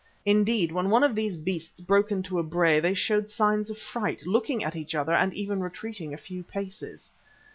Indeed, when one of these beasts broke into a bray, they showed signs of fright, looking at each other and even retreating a few paces.